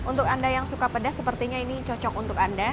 untuk anda yang suka pedas sepertinya ini cocok untuk anda